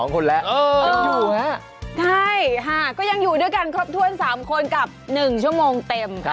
ใช่ค่ะก็ยังอยู่ด้วยกันครบถ้วน๓คนกับ๑ชั่วโมงเต็ม